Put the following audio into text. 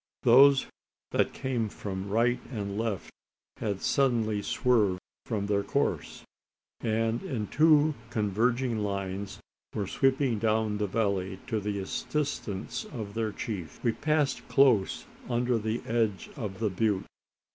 Those that came from right and left had suddenly swerved from their course; and in two converging lines were sweeping down the valley to the assistance of their chief. We passed close under the edge of the butte.